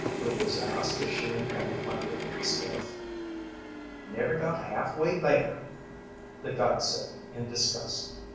Louise asked as she and Penny climbed into the skiff. "Never got half way there," the guide said in disgust.